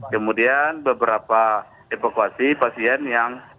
kemudian beberapa evakuasi pasien yang